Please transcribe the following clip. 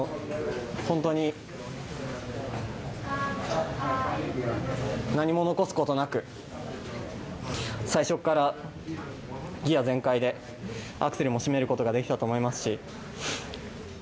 本当に何も残すことなく、最初からギヤ前回でアクセルも締めることができたと思いますし。